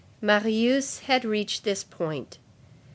Marius had reached this point.